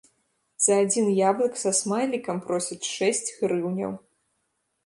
За адзін яблык са смайлікам просяць шэсць грыўняў.